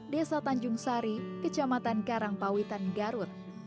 desa tanjung sari kecamatan karangpawitan garut